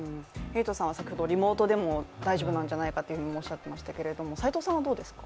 先ほどリモートでも大丈夫なんじゃないかとおっしゃっていましたけれども斎籐さんはどうですか？